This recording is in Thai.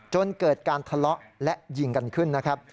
จนเกิดการทะเลาะและยิงกันขึ้นนะครับ